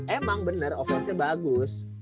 emang bener offense nya bagus